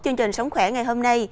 chương trình sống khỏe